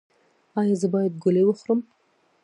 ایا زه باید ګولۍ وخورم؟